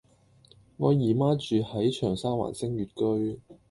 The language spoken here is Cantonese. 我姨媽住喺長沙灣昇悅居